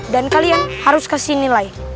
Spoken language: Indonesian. dan kalian harus kasih nilai